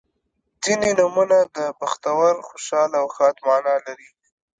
• ځینې نومونه د بختور، خوشحال او ښاد معنا لري.